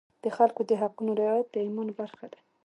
د خلکو د حقونو رعایت د ایمان برخه ده.